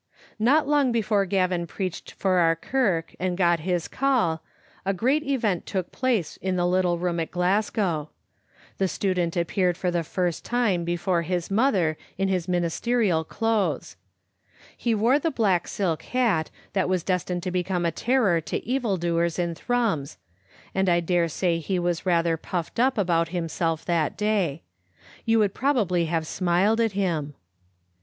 Not long before Gavin preached for our kirk and got his call, a great event took place in the little room at Glasgow. The student appeared for the first time be fore his mother in his ministerial clothes. He wore the black silk hat, that was destined to become a terror to evil doers in Thrums, and I dare say he was rather Digitized by VjOOQ IC tSbe AaMng ot a Afttietet* is puffed up about himself that day. You would probably have smiled at him.